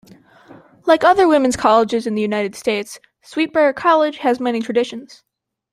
Like other women's colleges in the United States, Sweet Briar College has many traditions.